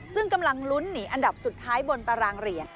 ซึ่งกำลังลุ้นหนีอันดับสุดท้ายบนตารางเหรียญ